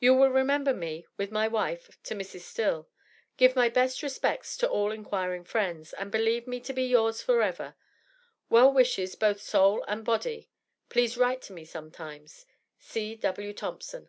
You will remember me, with my wife, to Mrs. Still. Give my best respects to all inquiring friends, and believe me to be yours forever. Well wishes both soul and body. Please write to me sometimes. C.W. THOMPSON.